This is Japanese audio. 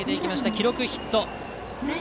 記録はヒット。